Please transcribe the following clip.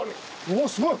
おすごい。